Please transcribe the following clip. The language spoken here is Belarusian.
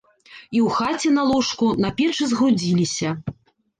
І ў хаце на ложку, на печы згрудзіліся.